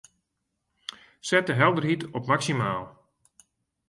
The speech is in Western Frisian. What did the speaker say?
Set de helderheid op maksimaal.